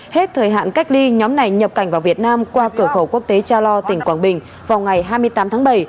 hết thời hạn cách ly nhóm này nhập cảnh vào việt nam qua cửa khẩu quốc tế cha lo tỉnh quảng bình vào ngày hai mươi tám tháng bảy